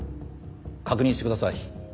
確認してください。